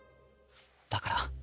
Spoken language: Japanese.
だから。